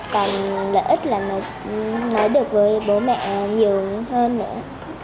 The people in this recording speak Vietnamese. còn lợi ích là nó nói được với bố mẹ nhiều hơn nữa